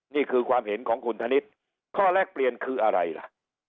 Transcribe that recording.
นี่คือความเห็นของคุณธนิษฐ์ข้อแรกเปลี่ยนคืออะไรล่ะ